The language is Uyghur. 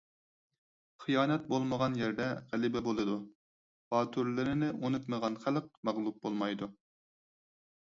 خىيانەت بولمىغان يەردە غەلىبە بولىدۇ؛ باتۇرلىرىنى ئۇنتۇمىغان خەلق مەغلۇپ بولمايدۇ.